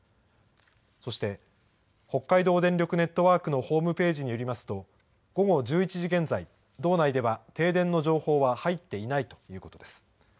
そして、北海道電力ネットワークのホームページによりますと、午後１１時現在、道内では停電の情報は入っていないということです。